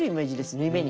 縫い目に。